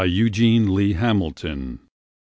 Eugene Lee Hamilton b.